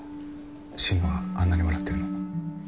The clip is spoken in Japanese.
心野があんなに笑ってるの。